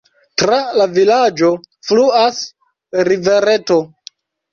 Tra la vilaĝo fluas rivereto.